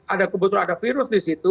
ada kebetulan ada virus di situ